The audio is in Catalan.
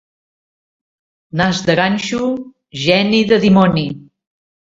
Nas de ganxo, geni de dimoni.